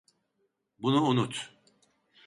Bunu unut.